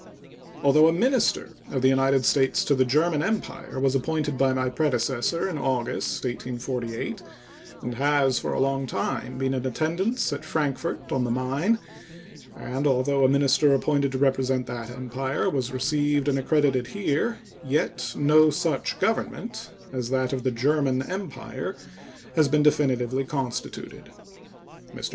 Although a minister of the United States to the German Empire was appointed by my predecessor in August, 1848, and has for a long time been in attendance at Frankfort on the Main, and although a minister appointed to represent that Empire was received and accredited here, yet no such government as that of the German Empire has been definitively constituted. Mr.